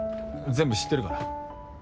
全部知ってるから。